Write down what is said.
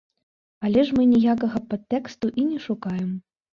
Але ж мы ніякага падтэксту і не шукаем!